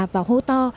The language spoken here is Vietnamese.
vào hô to